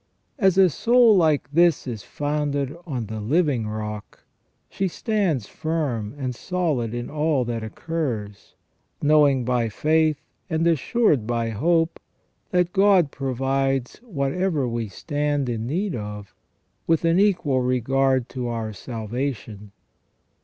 As a soul like this is founded on the living rock, she stands firm and solid in all that occurs, knowing by faith, and assured by hope, that God provides what ever we stand in need of with an equal regard to our salvation.